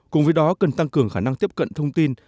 cùng với đó cần tăng cường khả năng tiếp cận thông tin